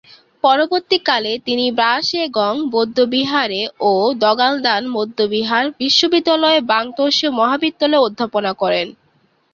পরবর্তীকালে তিনি র্বা-স্গ্রেং বৌদ্ধবিহারে ও দ্গা'-ল্দান বৌদ্ধবিহার বিশ্ববিদ্যালয়ের ব্যাং-র্ত্সে মহাবিদ্যালয়ে অধ্যাপনা করেন।